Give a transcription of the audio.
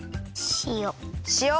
しお。